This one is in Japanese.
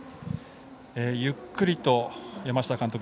ゆっくりと山下監督